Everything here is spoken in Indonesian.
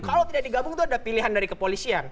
kalau tidak digabung itu ada pilihan dari kepolisian